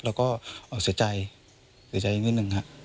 เราก็เสียใจเสียใจอีกนิดนึงฮะ